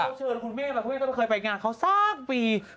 เธอเชิญคุณเมฆกับเขาเขาเคยไปไปงานเขาสักปี